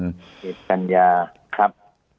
เก็บกัญญาครับ